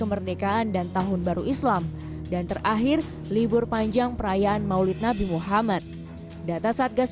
kemerdekaan dan tahun baru islam dan terakhir libur panjang perayaan maulid nabi muhammad data satgas